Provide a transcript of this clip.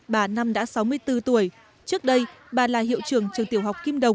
bà năm đã sáu mươi bốn tuổi trước đây bà là hiệu trưởng trường tiểu học kim đồng